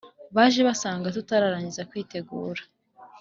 baje basanga tutararangiza kwitegura